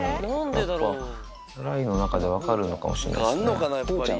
やっぱ雷の中で分かるのかもしれないですね。